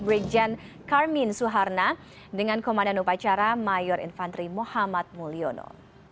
brigjen karmin suharna dengan komandan upacara mayor infantri muhammad mulyono